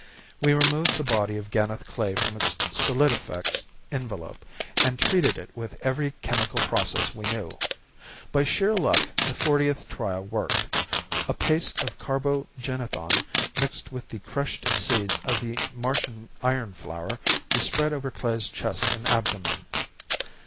We removed the body of Ganeth Klae from its solidifex envelope and treated it with every chemical process we knew. By sheer luck the fortieth trial worked. A paste of carbo genethon mixed with the crushed seeds of the Martian iron flower was spread over Klae's chest and abdomen.